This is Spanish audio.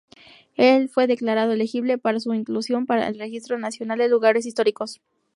El fue declarado elegible para su inclusión en el Registro Nacional de Lugares Históricos.